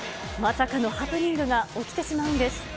まさかのハプニングが起きてしまうんです。